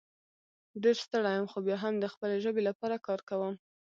ډېر ستړی یم خو بیا هم د خپلې ژبې لپاره کار کوم